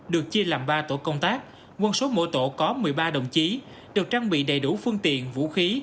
được chia làm ba tổ công tác quân số mỗi tổ có một mươi ba đồng chí được trang bị đầy đủ phương tiện vũ khí